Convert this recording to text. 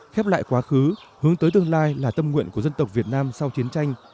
khép lại quá khứ hướng tới tương lai là tâm nguyện của dân tộc việt nam sau chiến tranh